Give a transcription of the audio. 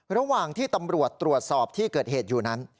ระหว่างที่ตำรวจตรวจสอบที่เกิดเหตุอยู่นั้น